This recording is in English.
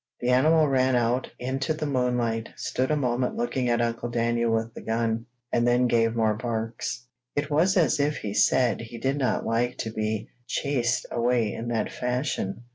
The animal ran out into the moonlight, stood a moment looking at Uncle Daniel with the gun, and then gave more barks. It was as if he said he did not like to be chased away in that fashion.